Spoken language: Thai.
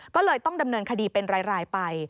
ก็เลยต้องดำเนินคดีเป็นรายไป